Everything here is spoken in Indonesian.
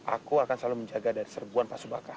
aku akan selalu menjaga dari serbuan pak subakah